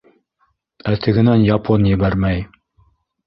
Ә тегенән япон ебәрмәй.